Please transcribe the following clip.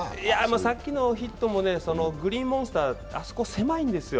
さっきのヒットもグリーンモンスター、あそこ狭いんすよ。